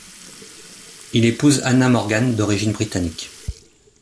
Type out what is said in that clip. Il épouse Anna Morgan, d'origine britannique.